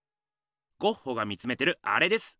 ゴッホが見つめてるアレです。